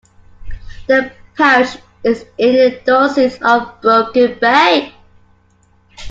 The parish is in the Diocese of Broken Bay.